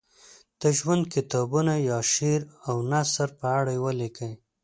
د ژوند کتابونه یا شعر او نثر په اړه ولیکي.